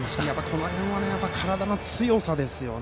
この辺は、体の強さですね。